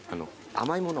甘いもの！